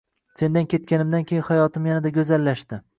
Sendan ketganimdan keyin hayotim yanada go’zallashdi.